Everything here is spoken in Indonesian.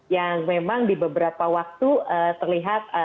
yang memang di beberapa waktu terlihat